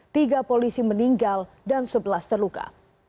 tiga polisi meninggal dan sebelas terluka